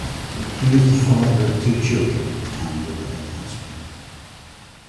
He was the father of two children and a loving husband.